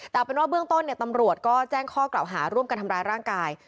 แต่เป็นว่าเบื้องต้นตำรวจก็แจ้งข้อกล่าวหาร่วมกันทำร้ายร่างกาย